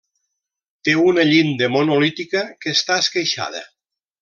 Té una llinda monolítica que està esqueixada.